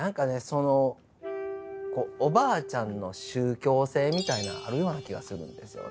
そのおばあちゃんの宗教性みたいなあるような気がするんですよ。